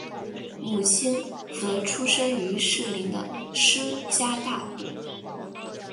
母亲则出身于士林的施家大户。